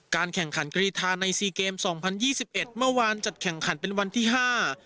แข่งขันกรีธาในสี่เกมสองพันยี่สิบเอ็ดเมื่อวานจัดแข่งขันเป็นวันที่ห้า